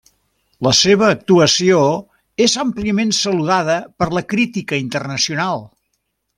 La seva actuació és àmpliament saludada per la crítica internacional.